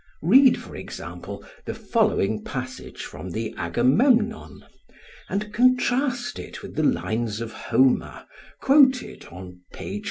Read for example the following passage from the "Agamemnon" and contrast it with the lines of Homer quoted on page 42.